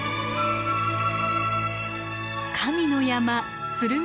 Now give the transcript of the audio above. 神の山鶴見